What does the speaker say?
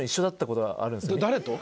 誰と？